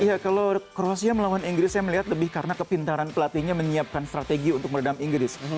iya kalau kroasia melawan inggris saya melihat lebih karena kepintaran pelatihnya menyiapkan strategi untuk meredam inggris